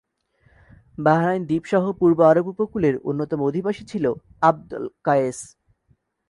Bahrain দ্বীপ সহ পূর্ব আরব উপকূলের অন্যতম অধিবাসী ছিলো আব্দ আল-কায়েস।